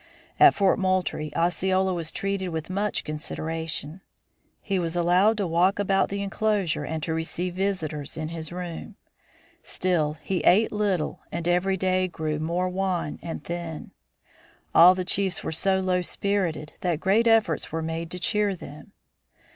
At Fort Moultrie, Osceola was treated with much consideration; he was allowed to walk about the enclosure and to receive visitors in his room. Still he ate little and every day grew more wan and thin. All the chiefs were so low spirited that great efforts were made to cheer them.